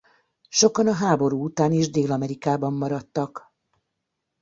Sokan a háború után is Dél-Amerikában maradtak.